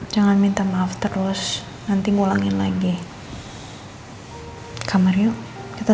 kamu pinter ya bangun pagi ya